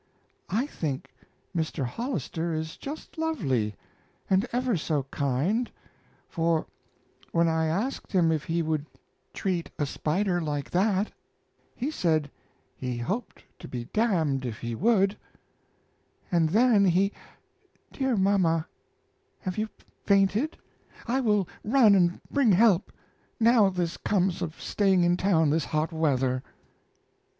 I think Mr. Hollister is just lovely, and ever so kind; for when I asked him if he would treat a spider like that he said he hoped to be damned if he would; and then he Dear mama, have you fainted! I will run and bring help! Now this comes of staying in town this hot weather."